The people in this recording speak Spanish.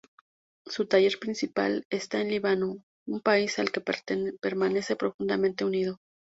Su taller principal está en Líbano, un país al que permanece profundamente unido.